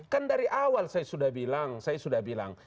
kan dari awal saya sudah bilang saya sudah bilang